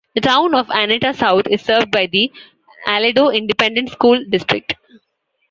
The Town of Annetta South is served by the Aledo Independent School District.